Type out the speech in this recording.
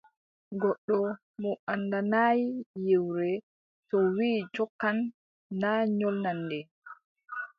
Goɗɗo mo anndanaay yewre, to wii jokkan, na nyolnan nde.